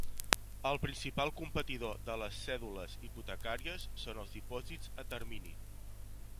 El principal competidor de les cèdules hipotecàries són els dipòsits a termini.